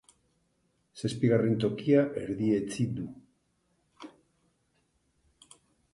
Zazpigarren tokia erdietsi du.